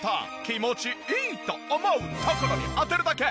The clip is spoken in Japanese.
気持ちいいと思うところに当てるだけ！